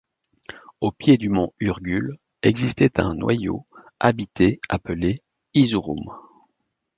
Au pied du mont Urgull existait un noyau habité appelé Izurum.